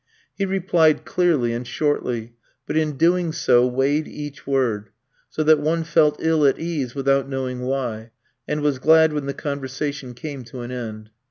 He replied clearly and shortly; but in doing so, weighed each word, so that one felt ill at ease without knowing why, and was glad when the conversation came to an end.